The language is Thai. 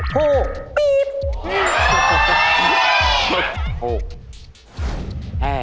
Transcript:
ฮู้ปีปฮู้แห